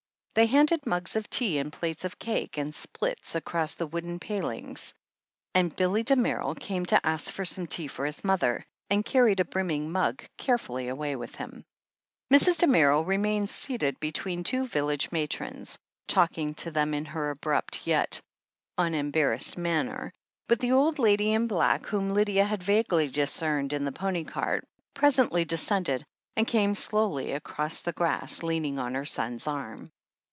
They handed mugs of tea and plates of cake and splits across the wooden palings, and Billy Damerel came to ask for some tea for his mother, and carried a brimming mug carefully away with him. Mrs. Damerel remained seated between two village matrons, talking to them in her abrupt yet unembar rassed manner, but the old lady in black, whom Lydia had vaguely discerned in the pony cart, presently 28o THE HEEL OF ACHILLES descended, and came slowly across the grass, leaning on her son's arm.